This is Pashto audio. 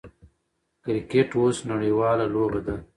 کرکټ اوس نړۍواله لوبه ده.